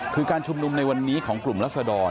คือการชุมนุมในวันนี้ของกลุ่มรัศดร